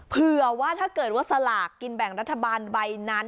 เผื่อว่าถ้าเกิดว่าสลากกินแบ่งรัฐบาลใบนั้น